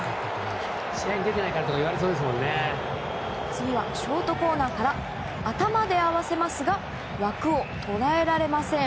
次はショートコーナーから頭で合わせますが枠を捉えられません。